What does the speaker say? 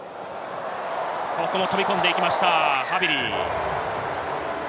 ここも飛び込んでいきました、ハヴィリ。